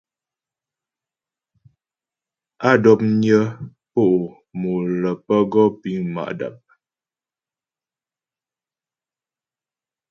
Á dɔpnyə po' mo lə́ pə́ gɔ piŋ ma' dap.